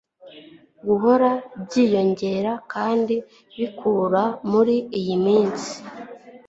guhora byiyongera kandi bikura muri iyi minsi